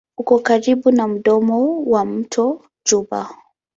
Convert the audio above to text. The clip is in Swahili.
Uko karibu na mdomo wa mto Juba.